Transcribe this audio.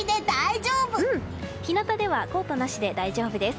日なたではコートなしで大丈夫です。